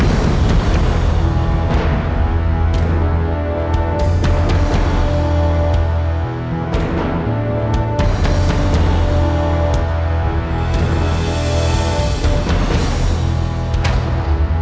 aku bisa menjadi suami yang baik